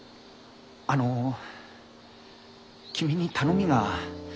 あの君に頼みが。